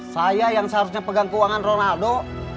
saya yang seharusnya pegang keuangan ronaldo